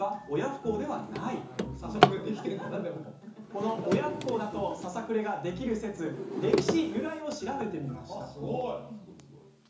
この親不孝だとささくれができる説歴史、由来を調べてみました。